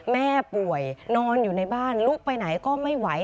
แม่ป่วยนอนอยู่ในบ้านลุกไปไหนก็ไม่ไหว